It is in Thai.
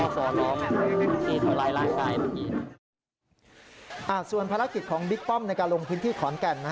ส่วนภารกิจของบิ๊กป้อมในการลงพื้นที่ขอนแก่น